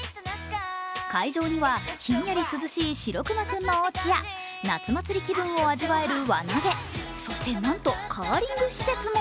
会場にはひんやり涼しい白くまくんのおうちや夏祭り気分を味わえる輪投げ、そして、なんとカーリング施設も。